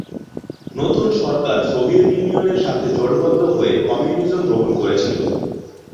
নতুন সরকার সোভিয়েত ইউনিয়নের সাথে জোটবদ্ধ হয়ে কমিউনিজম গ্রহণ করেছিল।